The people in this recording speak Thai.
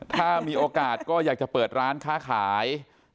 ถ้ามีโอกาสก็อยากจะเปิดร้านค้าขาย